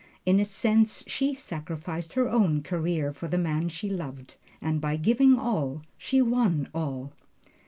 In a sense she sacrificed her own career for the man she loved. And by giving all, she won all.